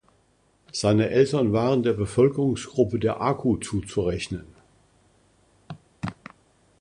Seine Eltern waren der Bevölkerungsgruppe der Aku zuzurechnen.